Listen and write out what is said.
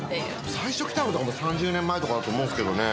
最初来たのはもう、３０年前とかだと思うんですけどね。